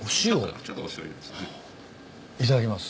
お塩？いただきます。